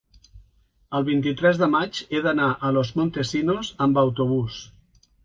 El vint-i-tres de maig he d'anar a Los Montesinos amb autobús.